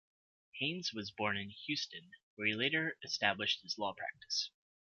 Haynes was born in Houston, where he later established his law practice.